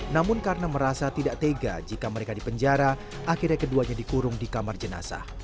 namun karena merasa tidak tega jika mereka di penjara akhirnya keduanya dikurung di kamar jenazah